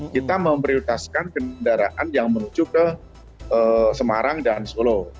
kita memprioritaskan kendaraan yang menuju ke semarang dan solo